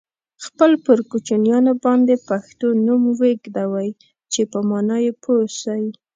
خپل پر کوچنیانو باندي پښتو نوم ویږدوی چې په مانا یې پوه سی.